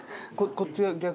こっち側逆。